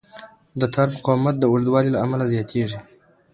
د تار مقاومت د اوږدوالي له امله زیاتېږي.